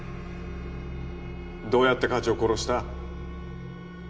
どうやって課長殺した？